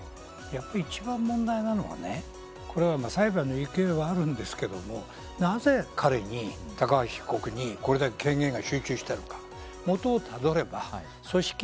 一番問題なのはね、これは裁判の行方はあるんですけど、なぜ彼に、高橋被告にこれだけ権限が集中したのか。